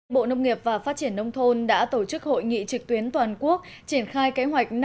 bộ nông nghiệp và phát triển nông thôn đã tổ chức hội nghị trực tuyến toàn quốc triển khai kế hoạch